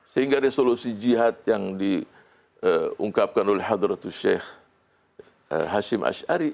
sehingga resolusi jihad yang diungkapkan oleh hadratu sheikh hashim ash'ari